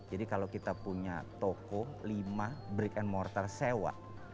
jadi kalau kita punya toko lima brick and mortar sewa